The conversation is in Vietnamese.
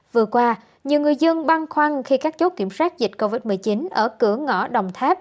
vừa qua nhiều người dân băn khoăn khi các chốt kiểm soát dịch covid một mươi chín ở cửa ngõ đồng tháp